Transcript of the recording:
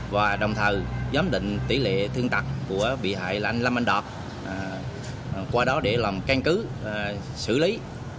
và đồng thời giám định tỷ lệ thương tật của bị hại là anh lâm anh đạt qua đó để làm căn cứ xử lý